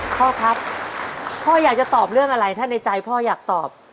พ่อครับพ่ออยากจะตอบเรื่องอะไรถ้าในใจพ่ออยากตอบ